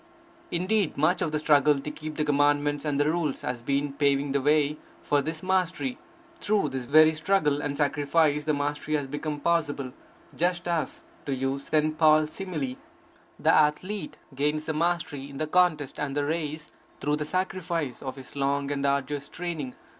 Indeed, much of the struggle to keep the Commandments and the Rules has been paving the way for this mastery; through this very struggle and sacrifice the mastery has become possible; just as, to use St. Paul's simile, the athlete gains the mastery in the contest and the race through the sacrifice of his long and arduous training.